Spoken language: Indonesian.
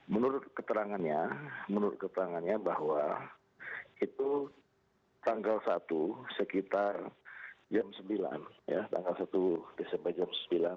menurut keterangannya menurut keterangannya bahwa itu tanggal satu sekitar jam sembilan ya tanggal satu desember jam sembilan